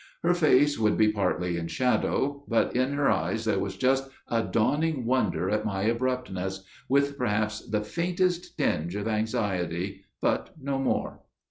Her face would be partly in shadow; but in her eyes there was just a dawning wonder at my abruptness, with perhaps the faintest tinge of anxiety, but no more.